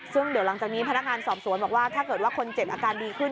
ซึ่งเดี๋ยวหลังจากนี้พนักงานสอบสวนบอกว่าถ้าเกิดว่าคนเจ็บอาการดีขึ้น